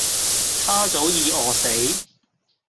她早己餓死